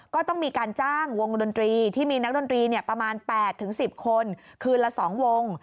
ก็ต้องมีการจ้างวงดนตรีที่มีนักดนตรีประมาณ๘๑๐คนคืนละ๒วง